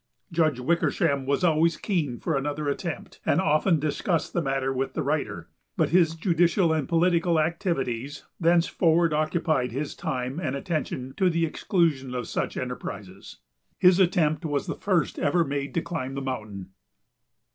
Judge Wickersham was always keen for another attempt and often discussed the matter with the writer, but his judicial and political activities thenceforward occupied his time and attention to the exclusion of such enterprises. His attempt was the first ever made to climb the mountain.